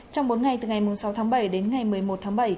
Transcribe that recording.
trong bốn ngày từ ngày sáu tháng bảy đến ngày một mươi một tháng bảy